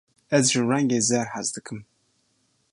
Ez ji rengê zer hez dikim.